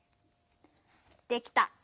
できた。